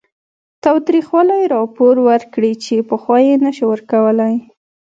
تاوتریخوالي راپور ورکړي چې پخوا یې نه شو ورکولی